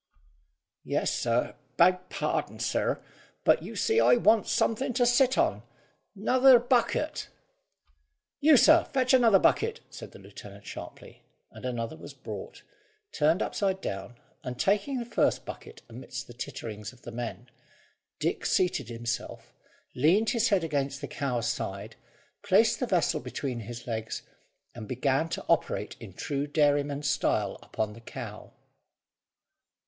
"Yes, sir. Beg pardon, sir, but you see I wants something to sit on. 'Nother bucket." "You, sir, fetch another bucket," said the lieutenant sharply; and another was brought, turned upside down, and, taking the first bucket, amidst the titterings of the men, Dick seated himself, leaned his head against the cow's side, placed the vessel between his legs, and began to operate in true dairyman style upon the cow.